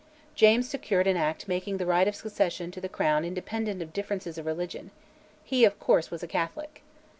James secured an Act making the right of succession to the Crown independent of differences of religion; he, of course, was a Catholic.